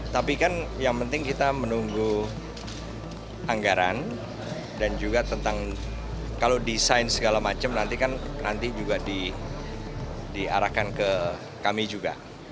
tapi kan yang penting kita menunggu anggaran dan juga tentang kalau desain segala macam nanti kan nanti juga diarahkan ke kami juga